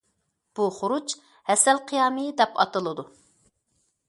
بۇ خۇرۇچ ھەسەل قىيامى دەپ ئاتىلىدۇ.